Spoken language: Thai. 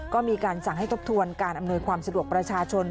ก็มีการสั่งให้ทบทวนการอำนวยความสะดวกประชาชน